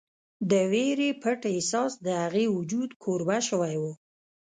د وېرې پټ احساس د هغې وجود کوربه شوی و